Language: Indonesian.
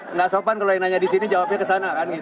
enggak sopan kalau yang nanya di sini jawabnya ke sana kan gitu ya